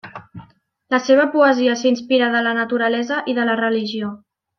La seva poesia s'inspira de la naturalesa i de la religió.